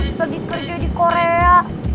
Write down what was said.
sebelah dikerja di korea